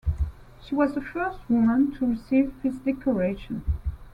She was the first woman to receive this decoration.